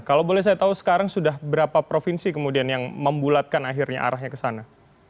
kalau boleh saya tahu sekarang sudah berapa provinsi kemudian yang membulatkan akhirnya arahnya ke sana